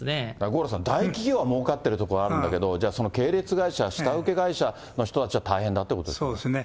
五郎さん、大企業はもうかってるところがあるんだけど、じゃあ、その系列会社、下請け会社の人たちは大変だってことですね。